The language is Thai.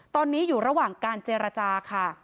ตอนนี้อยู่ระหว่างการเจรจาค่ะ